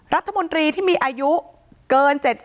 รัฐมนตรีที่มีอายุเกิน๗๐